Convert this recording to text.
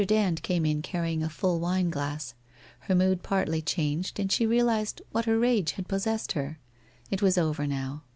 Dand came in carrying a full wine glass. Her mood partly changed and she realized what a rage had possessed her. It was over now.